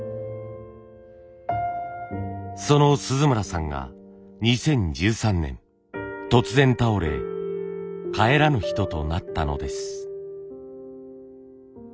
その鈴村さんが２０１３年突然倒れ帰らぬ人となったのです。